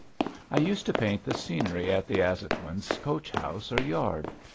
I used to paint the scenery in the Azhoguins' coach house or yard.